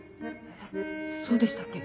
えっそうでしたっけ？